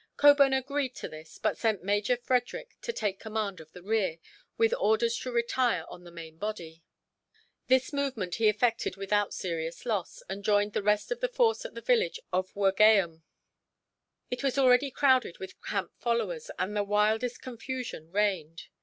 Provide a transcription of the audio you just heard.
Cockburn agreed to this, but sent Major Frederick to take command of the rear, with orders to retire on the main body. This movement he effected without serious loss, and joined the rest of the force at the village of Wurgaom. It was already crowded with camp followers, and the wildest confusion reigned.